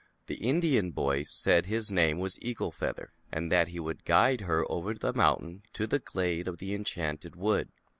The Indian boy said his name w r as Eagle Feather, and that he ould guide her over the mountain to he Glade of the Enchanted Wood.